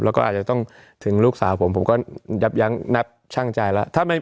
แล้วก็อาจจะต้องถึงลูกสาวผมผมก็ยับยั้งนับช่างใจแล้ว